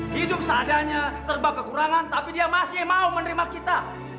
hidup seadanya serba kekurangan tapi dia masih mau menerima kita